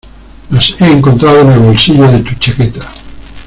las he encontrado en el bolsillo de tu chaqueta